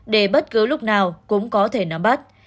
để bất cứ lúc nào cũng có thể nắm bắt